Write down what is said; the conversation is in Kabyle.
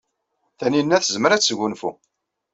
Tanina tezmer ad tesgunfu.